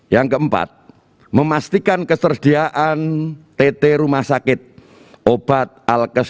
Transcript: yang keempat memastikan ketersediaan tt rumah sakit obat alkes